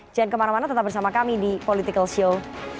jangan kemana mana tetap bersama kami di political show